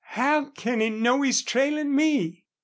"How can he know he's trailing me?"